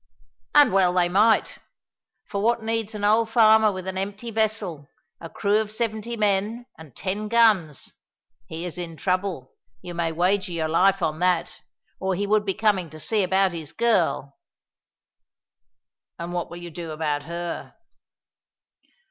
"And well they might. For what needs an old farmer with an empty vessel, a crew of seventy men, and ten guns? He is in trouble, you may wager your life on that, or he would be coming to see about his girl." "And what will you do about her?"